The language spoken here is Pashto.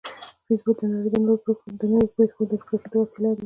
فېسبوک د نړۍ د نوو پېښو د پوهېدو وسیله ده